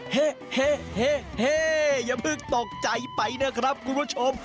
เฮ่อย่าเพิ่งตกใจไปนะครับคุณผู้ชม